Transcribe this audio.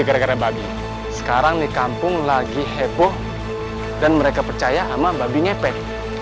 gara gara babi sekarang di kampung lagi heboh dan mereka percaya sama babi ngepet